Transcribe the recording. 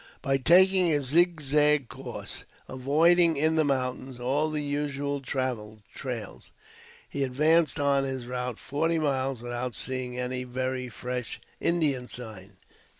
By taking a zigzag course, avoiding, in the mountains, all the usually traveled trails, he advanced on his route forty miles without seeing any very fresh Indian signs.